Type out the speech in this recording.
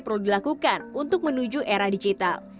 perlu dilakukan untuk menuju era digital